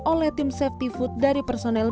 oleh tim safety food dari personel